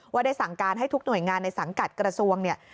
ได้สั่งการให้ทุกหน่วยงานในสังกัดกระทรวงเนี่ย